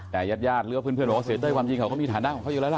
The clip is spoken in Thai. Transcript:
แต่ญาติญาติหรือว่าเพื่อนบอกว่าเสียเต้ยความจริงเขาก็มีฐานะของเขาอยู่แล้วล่ะ